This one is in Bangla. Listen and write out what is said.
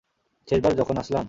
শেষবার যখন আসলাম?